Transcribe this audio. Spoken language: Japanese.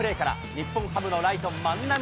日本ハムのライト、万波。